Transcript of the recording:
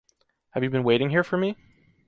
Have you been waiting here for me?